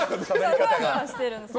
ふわふわしてるんですよ。